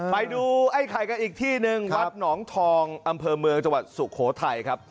ไปดูไอ้ไข่กันอีกที่หนึ่งวัดหนองทองอำเภอเมืองจังหวัดสุโขทัยครับ